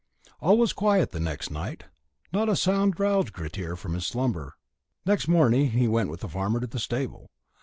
All was quiet next night; not a sound roused Grettir from his slumber. Next morning he went with the farmer to the stable.